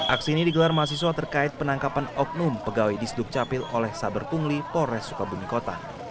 aksi ini digelar mahasiswa terkait penangkapan oknum pegawai di sdukcapil oleh saber pungli polres sukabumi kota